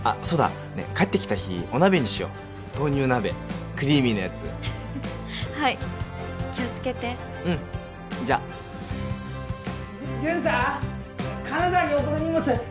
そうだねえ帰ってきた日お鍋にしよう豆乳鍋クリーミーなやつはい気をつけてうんじゃあジュンさん金沢に送る荷物